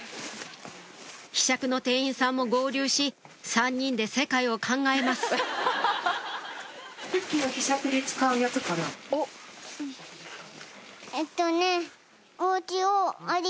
ひしゃくの店員さんも合流し３人で世界を考えますえっとね。